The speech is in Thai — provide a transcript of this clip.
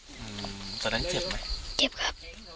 อืมตอนนั้นเจ็บไหมเจ็บครับ